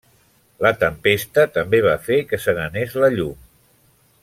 La tempesta també va fer que se n'anés la llum.